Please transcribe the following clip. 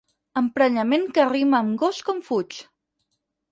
Emprenyament que rima amb gos com fuig.